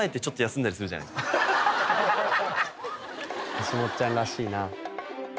はしもっちゃんらしいな。